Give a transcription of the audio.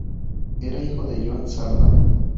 Era hijo de Joan Sardá.